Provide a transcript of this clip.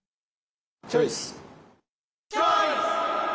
チョイス！